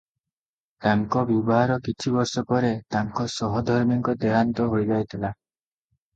ତାଙ୍କ ବିବାହର କିଛି ବର୍ଷ ପରେ ତାଙ୍କ ସହଧର୍ମୀଙ୍କ ଦେହାନ୍ତ ହୋଇଯାଇଥିଲା ।